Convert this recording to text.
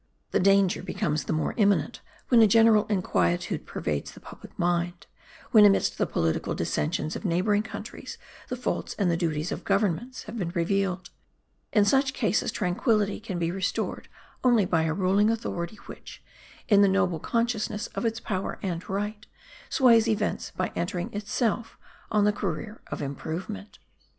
The danger becomes the more imminent when a general inquietude pervades the public mind; when amidst the political dissensions of neighbouring countries the faults and the duties of governments have been revealed: in such cases tranquillity can be restored only by a ruling authority which, in the noble consciousness of its power and right, sways events by entering itself on the career of improvement.